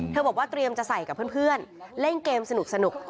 บอกว่าเตรียมจะใส่กับเพื่อนเล่นเกมสนุก